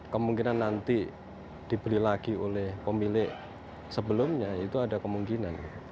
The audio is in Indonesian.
kemungkinan nanti dibeli lagi oleh pemilik sebelumnya itu ada kemungkinan